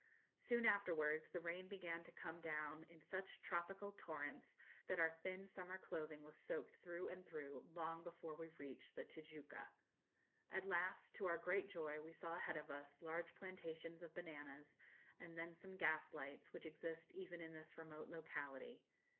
Soon afterwards the rain began to come down in such tropical torrents, that our thin summer clothing was soaked through and through long before we reached the Tijuca. At last, to our great joy, we saw ahead of us large plantations of bananas, and then some gas lights, which exist even in this remote locality.